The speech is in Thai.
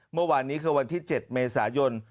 เมื่อวานนี้คือวันที่๗เมษายน